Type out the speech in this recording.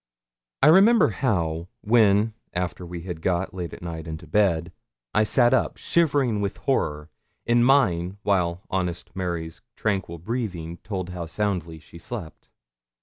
I remember how, when, after we had got, late at night, into bed, I sat up, shivering with horror, in mine, while honest Mary's tranquil breathing told how soundly she slept.